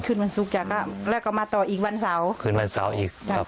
คืนวันศุกร์แล้วก็มาต่ออีกวันเสาร์คืนวันเสาร์อีกครับ